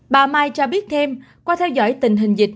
bà mai cho biết thêm qua theo dõi tình hình dịch